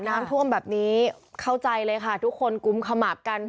น้ำท่วมแบบนี้เข้าใจเลยค่ะทุกคนกุมขมับกัน